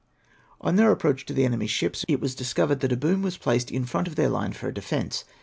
On their approach to the enemy's ships, it was discovered that a boom was placed in front of their line for a defence.